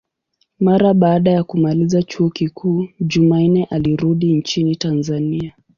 Mara baada ya kumaliza chuo kikuu, Jumanne alirudi nchini Tanzania.